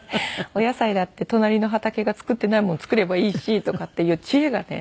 お野菜だって隣の畑が作っていないもん作ればいいしとかっていう知恵がね